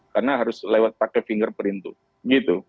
karena harus lewat pakai fingerprint itu